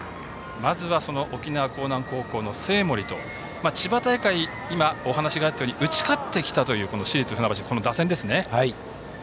まずは沖縄・興南高校の生盛と千葉大会は、お話があったように打ち勝ってきたという市立船橋の打線ですね。